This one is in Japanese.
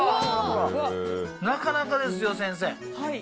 なかなかですよ、先生。